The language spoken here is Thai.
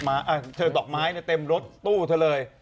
เธอลดดอกไม้ในเต็มรถตู้เถอะเลย